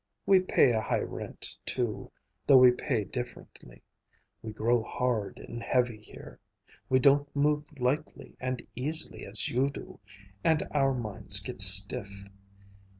We pay a high rent, too, though we pay differently. We grow hard and heavy here. We don't move lightly and easily as you do, and our minds get stiff.